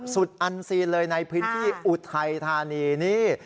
อันซีนเลยในพื้นที่อุทัยธานีนี่